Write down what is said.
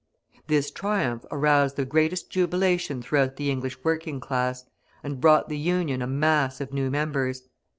This triumph aroused the greatest jubilation throughout the English working class, and brought the Union a mass of new members.